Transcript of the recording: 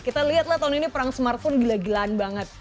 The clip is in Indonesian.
kita lihatlah tahun ini perang smartphone gila gilaan banget